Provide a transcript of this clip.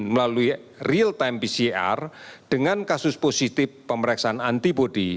melalui real time pcr dengan kasus positif pemeriksaan antibody